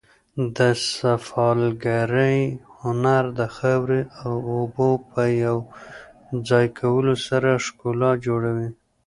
د سفالګرۍ هنر د خاورې او اوبو په یو ځای کولو سره ښکلا جوړوي.